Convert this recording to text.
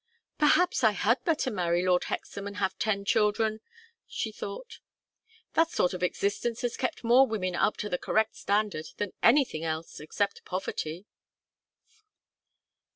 "Perhaps I had better marry Lord Hexam and have ten children," she thought. "That sort of existence has kept more women up to the correct standard than anything else except poverty."